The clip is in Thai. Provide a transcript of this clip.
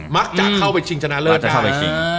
มักจะเข้าไปชิงชนะเลิศได้